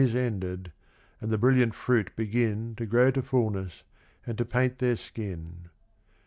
Is ended, and the brilliant fruit begin To grow to fulness and to paint their skin.